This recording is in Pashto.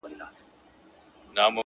لکه سرو معلومداره په چمن کي-